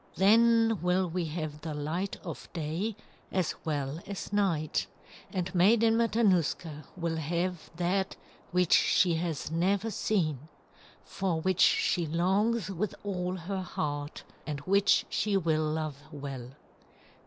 Then will we have the light of day as well as night, and Maiden Matanuska will have that which she has never seen, for which she longs with all her heart, and which she will love well.